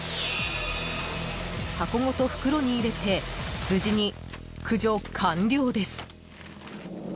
箱ごと袋に入れて無事に駆除完了です。